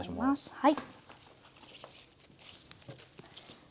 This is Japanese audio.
はい。